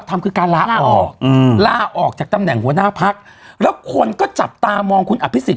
ทำคือการลาออกล่าออกจากตำแหน่งหัวหน้าพักแล้วคนก็จับตามองคุณอภิษฎ